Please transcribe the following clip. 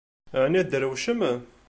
Ɛni tedrewcem?